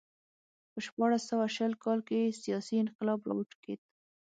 په شپاړس سوه شل کال کې سیاسي انقلاب راوټوکېد.